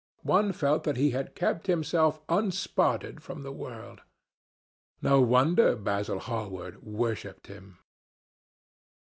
One felt that he had kept himself unspotted from the world. No wonder Basil Hallward worshipped him.